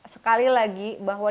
sekali lagi bahwa